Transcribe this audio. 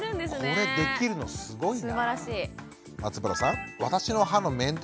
これできるのすごいな。